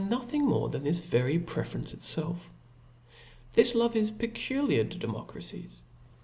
\, thing more than this very preference itfelf. This love is peculiar to democracies.